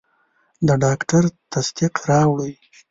د ډاکټر تصدیق راوړئ.